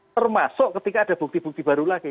termasuk ketika ada bukti bukti baru lagi